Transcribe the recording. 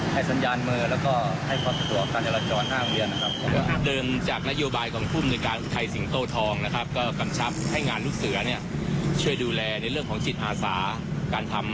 เป็นประโยชน์ส่วนรวม